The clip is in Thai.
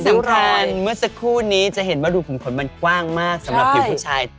สำหรับเมื่อสักครู่นี้จะเห็นว่าดูขุมขนมันกว้างมากสำหรับผิวผู้ชาย